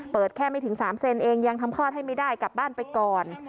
แค่ไม่ถึง๓เซนเองยังทำคลอดให้ไม่ได้กลับบ้านไปก่อน